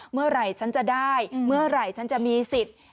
เมื่อไหร่ฉันจะได้เมื่อไหร่ฉันจะมีสิทธิ์